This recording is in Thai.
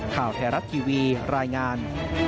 ข่าวแทรศ์ทีวีรายงาน